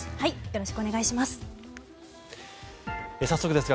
よろしくお願いします。